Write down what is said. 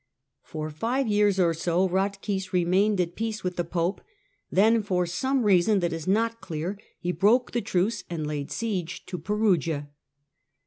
For five years or so Eatchis remained at peace Farias vith the Pope ; then, for some reason that is not clear, le broke the truce and laid siege to Perugia.